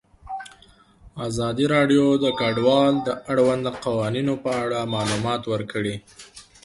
ازادي راډیو د کډوال د اړونده قوانینو په اړه معلومات ورکړي.